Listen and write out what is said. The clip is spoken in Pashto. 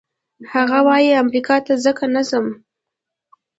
هغه وايي امریکې ته ځکه نه ځم.